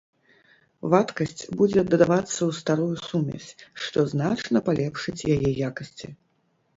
Вадкасць будзе дадавацца ў старую сумесь, што значна палепшыць яе якасці.